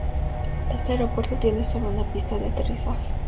Este aeropuerto tiene solo una pista de aterrizaje.